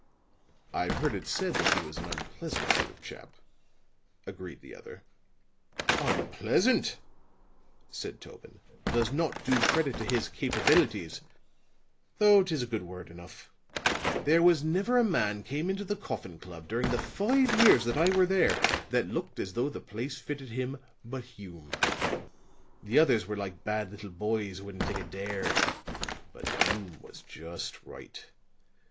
"I've heard it said that he was an unpleasant sort of chap," agreed the other. "Unpleasant," said Tobin, "does not do credit to his capabilities, though 'tis a good word enough. There was never a man came into the Coffin Club, during the five years that I were there, that looked as though the place fitted him, but Hume. The others were like bad little boys who wouldn't take a dare. But Hume was just right.